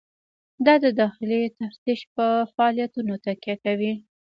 دا د داخلي تفتیش په فعالیتونو تکیه کوي.